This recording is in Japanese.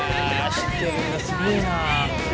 知ってるんだすごいな。